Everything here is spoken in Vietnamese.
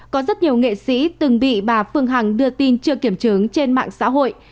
có rất nhiều nghệ sĩ từng bị bà phương hằng đưa tin chưa kiểm chứng trên mạng xã hội